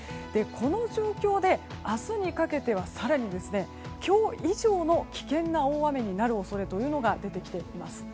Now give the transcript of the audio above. この状況で、明日にかけては更に今日以上の危険な大雨になる恐れというのが出てきています。